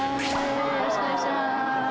よろしくお願いします。